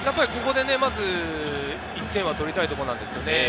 ここでまず１点は取りたいところなんですよね。